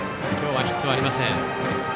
きょうはヒットありません。